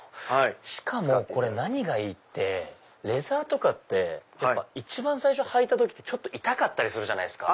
しかもこれ何がいいってレザーとかって一番最初履いた時痛かったりするじゃないですか。